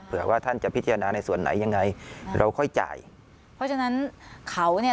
ว่าท่านจะพิจารณาในส่วนไหนยังไงเราค่อยจ่ายเพราะฉะนั้นเขาเนี่ย